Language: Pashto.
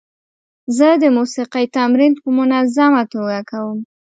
زه د موسیقۍ تمرین په منظمه توګه کوم.